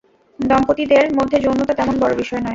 দম্পতিদের মধ্যে যৌনতা তেমন বড় বিষয় নয়।